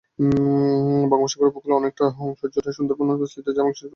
বঙ্গোপসাগর উপকূলে অনেকটা অংশ জুড়ে সুন্দরবন অবস্থিত, যা বিশ্বের অন্যতম বৃহত্তম ম্যানগ্রোভ বন।